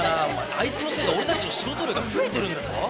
あいつのせいで俺たちの仕事量が増えてるんだぞ！